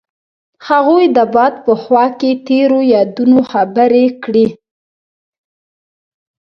هغوی د باد په خوا کې تیرو یادونو خبرې کړې.